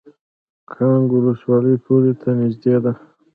کانګ ولسوالۍ پولې ته نږدې ده؟